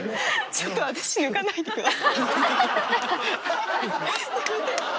ちょっと私抜かないで下さい。